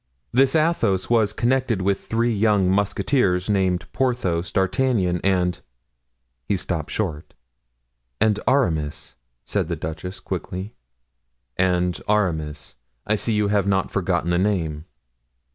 "This Athos was connected with three young musketeers, named Porthos, D'Artagnan, and——" He stopped short. "And Aramis," said the duchess, quickly. "And Aramis; I see you have not forgotten the name."